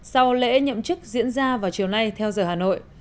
sau lễ nhậm chức diễn ra vào chiều nay theo giờ hà nội